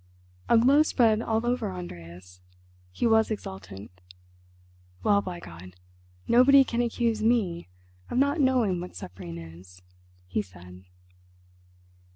A glow spread all over Andreas. He was exultant. "Well, by God! Nobody can accuse me of not knowing what suffering is," he said.